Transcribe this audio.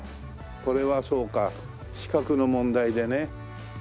これはそうか視覚の問題でね。